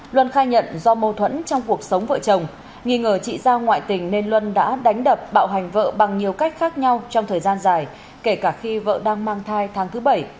luân khai nhận do mâu thuẫn trong cuộc sống vợ chồng nghi ngờ chị giao ngoại tình nên luân đã đánh đập bạo hành vợ bằng nhiều cách khác nhau trong thời gian dài kể cả khi vợ đang mang thai tháng thứ bảy